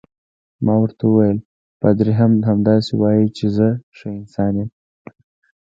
ما ورته وویل: پادري هم همداسې وایي چې زه ښه انسان یم.